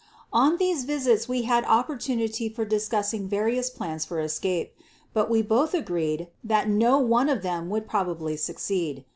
On these visits we had opportunity for discussing various plans for escape, but we both agreed that no one of them would probably succeed.